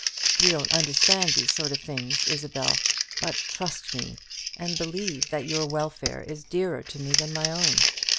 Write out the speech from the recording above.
You don't understand these sort of things, Isabel; but trust me, and believe that your welfare is dearer to me than my own.